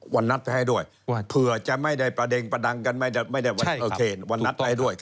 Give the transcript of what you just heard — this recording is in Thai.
นัดไปให้ด้วยเผื่อจะไม่ได้ประเด็งประดังกันไม่ได้วันโอเควันนัดให้ด้วย